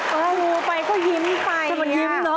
เออดูไปก็ยิ้มไปนี่เออแต่มันยิ้มเนอะ